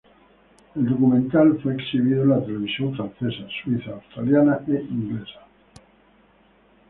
El documental fue exhibido en la televisión francesa, suiza, australiana e inglesa.